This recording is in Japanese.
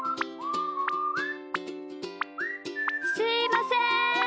すいません。